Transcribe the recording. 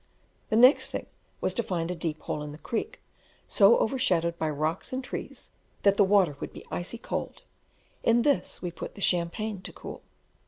The next thing was to find a deep hole in the creek, so over shadowed by rocks and trees that the water would be icy cold: in this we put the champagne to cool.